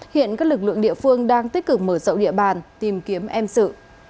hiện các lực lượng địa phương đang tích cực mở sậu địa bàn tìm kiếm em sử